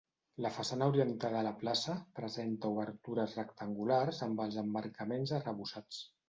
La façana orientada a la plaça presenta obertures rectangulars amb els emmarcaments arrebossats.